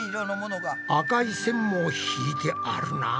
赤い線も引いてあるな。